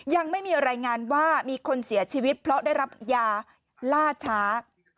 ยังไม่มีรายงานว่ามีคนเสียชีวิตเพราะได้รับยาล่าช้า